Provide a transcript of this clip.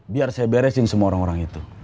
biar saya beresin semua orang orang itu